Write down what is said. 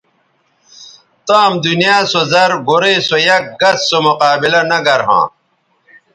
تام دنیا سو زر گورئ سو یک گس سو مقابلہ نہ گر ھواں